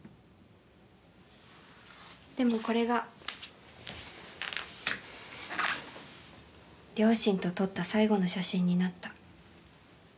でもこれが両親と撮った最後の写真になった。